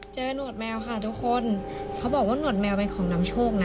หนวดแมวค่ะทุกคนเขาบอกว่าหนวดแมวเป็นของนำโชคนะ